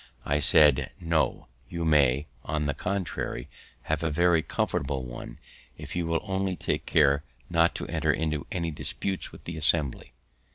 I said, "No; you may, on the contrary, have a very comfortable one, if you will only take care not to enter into any dispute with the Assembly."